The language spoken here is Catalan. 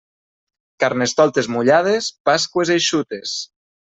Carnestoltes mullades, Pasqües eixutes.